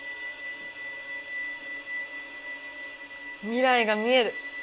未来が見える！